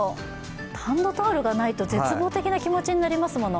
ハンドタオルがないと絶望的な気持ちになりますもの。